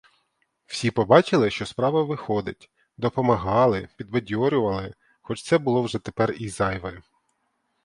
Всі побачили, що справа виходить, допомагали, підбадьорювали, хоч це було вже тепер і зайве.